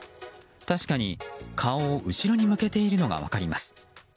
確かに顔を後ろに向けているのが分かります。